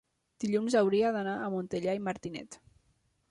dilluns hauria d'anar a Montellà i Martinet.